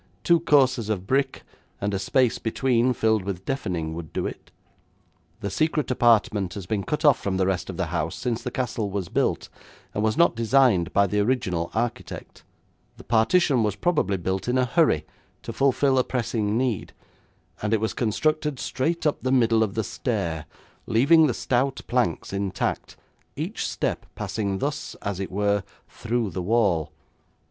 Two courses of brick, and a space between filled with deafening would do it. The secret apartment has been cut off from the rest of the house since the castle was built, and was not designed by the original architect. The partition was probably built in a hurry to fulfil a pressing need, and it was constructed straight up the middle of the stair, leaving the stout planks intact, each step passing thus, as it were, through the wall.